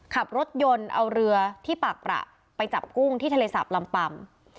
ขับรถยนต์เอาเรือที่ปากประไปจับกุ้งที่ทะเลสาบลำปำ